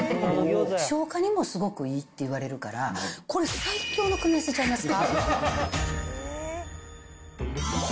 消化にもすごくいいといわれるから、これ、最強の組み合わせちゃいますか。